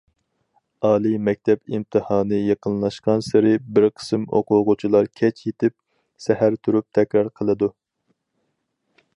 ئالىي مەكتەپ ئىمتىھانى يېقىنلاشقانسېرى بىر قىسىم ئوقۇغۇچىلار كەچ يېتىپ، سەھەر تۇرۇپ تەكرار قىلىدۇ.